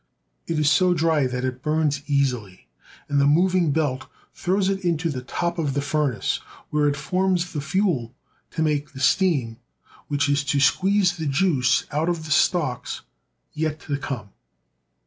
It is so dry that it burns easily, and the moving belt throws it into the top of the furnace, where it forms the fuel to make the steam which is to squeeze the juice out of the stalks yet to come.